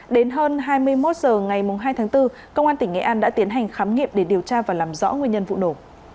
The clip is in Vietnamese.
đến hơn hai mươi một h ngày hai tháng bốn công an tỉnh nghệ an đã tiến hành khám nghiệm để điều tra và làm rõ nguyên nhân vụ nổ